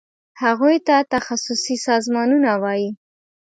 هغوی ته تخصصي سازمانونه وایي.